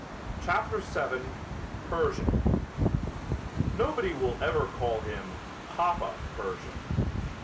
CHAPTER VII PERSHING Nobody will ever call him "Papa" Pershing.